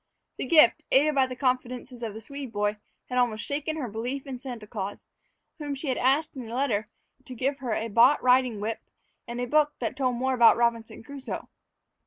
The gift, aided by the confidences of the Swede boy, had almost shaken her belief in Santa Claus, whom she had asked in a letter to give her a bought riding whip and a book that told more about Robinson Crusoe.